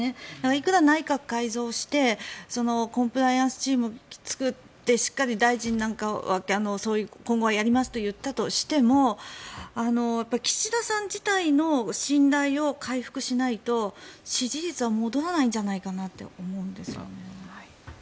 いくら内閣改造をしてコンプライアンスチームを作ってしっかり大臣なんかが今後はやりますといったとしても岸田さん自体の信頼を回復しないと支持率は戻らないんじゃないかなと思うんですね。